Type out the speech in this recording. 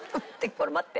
これ待って。